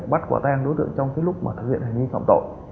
bắt quả tang đối tượng trong lúc thực hiện hành vi phòng tội